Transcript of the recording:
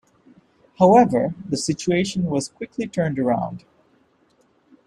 However, the situation was quickly turned around.